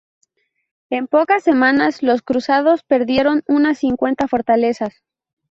En pocas semanas, los cruzados perdieron unas cincuenta fortalezas.